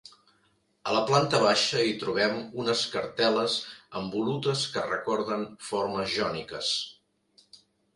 A la planta baixa hi trobem unes cartel·les amb volutes que recorden formes jòniques.